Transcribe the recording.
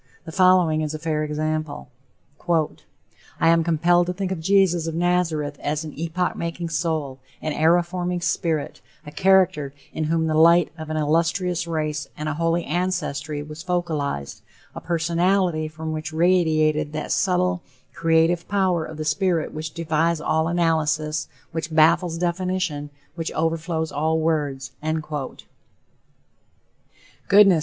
The following is a fair sample: "I am compelled to think of Jesus of Nazareth as an epoch making soul, an era forming spirit, a character in whom the light of an illustrious race and a holy ancestry was focalized, a personality from which radiated that subtle, creative power of the spirit which defies all analysis, which baffles definition, which overflows all words." Goodness!